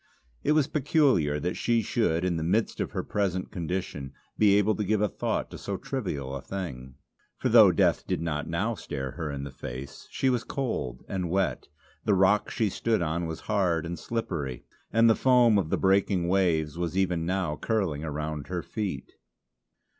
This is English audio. It was peculiar that she should in the midst of her present condition be able to give a thought to so trivial a thing. For though death did not now stare her in the face, she was cold and wet; the rock she stood on was hard and slippery, and the foam of the breaking waves was even now curling around her feet.